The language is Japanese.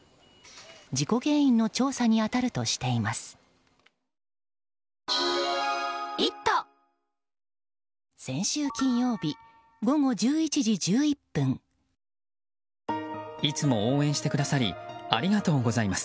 事故原因の調査に当たるとしています。